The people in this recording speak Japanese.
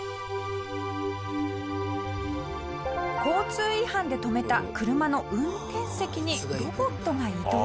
交通違反で止めた車の運転席にロボットが移動。